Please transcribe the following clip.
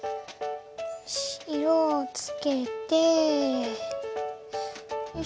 色をつけて。